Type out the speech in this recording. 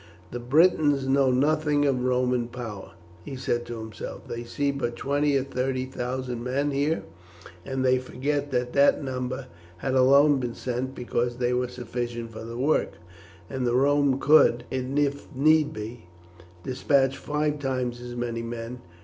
"The Britons know nothing of Roman power," he said to himself. "They see but twenty or thirty thousand men here, and they forget that that number have alone been sent because they were sufficient for the work, and that Rome could, if need be, despatch five times as many men.